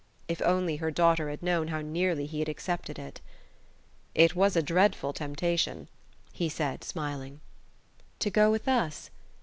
If only her daughter had known how nearly he had accepted it! "It was a dreadful temptation," he said, smiling. "To go with us?